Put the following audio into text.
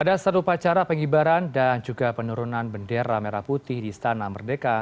pada saat upacara pengibaran dan juga penurunan bendera merah putih di istana merdeka